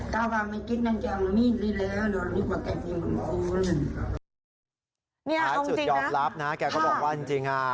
ท้ายสุดยอบรับนะแกก็บอกว่าจริงฮะ